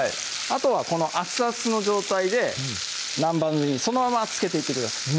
あとはこの熱々の状態で南蛮酢にそのまま漬けていってください